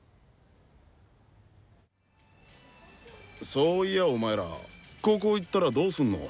そういやお前ら高校行ったらどうすんの？